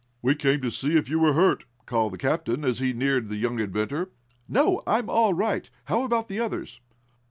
"We came to see if you were hurt," called the captain, as he neared the young inventor. "No, I'm all right. How about the others?"